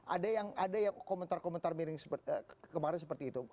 ada yang komentar komentar miring kemarin seperti itu